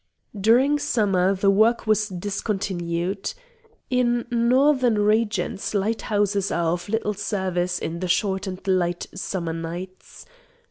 During summer the work was discontinued. In northern regions lighthouses are of little service in the short and light summer nights.